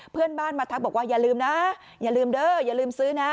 เพื่อนบ้านมาทักบอกว่าอย่าลืมนะอย่าลืมเด้ออย่าลืมซื้อนะ